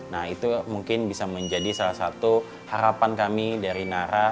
nah itu mungkin bisa menjadi salah satu harapan kami dari nara